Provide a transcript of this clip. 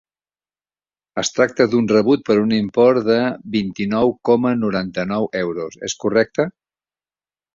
Es tracta d'un rebut per un import de vint-i-nou coma noranta-nou euros, és correcte?